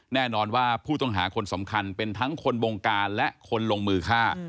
แน่นอนว่าผู้ต้องหาคนสำคัญเป็นทั้งคนบงการและคนลงมือฆ่า